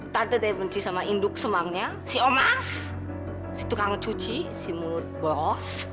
tante tidak benci sama induk semangnya si omas si tukang cuci si mulut boros